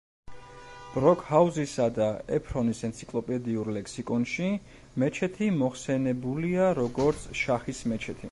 ბროკჰაუზისა და ეფრონის ენციკლოპედიურ ლექსიკონში მეჩეთი მოხსენებულია, როგორც „შაჰის მეჩეთი“.